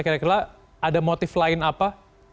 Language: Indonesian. kira kira ada motif lain apa